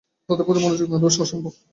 তাদের প্রতি মনোযোগ না দেওয়া অসম্ভব।